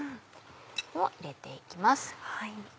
入れて行きます。